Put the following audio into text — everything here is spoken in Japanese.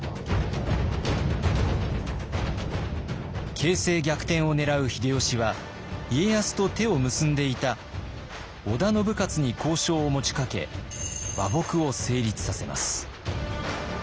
形勢逆転を狙う秀吉は家康と手を結んでいた織田信雄に交渉を持ちかけ和睦を成立させます。